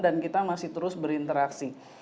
dan kita masih terus berinteraksi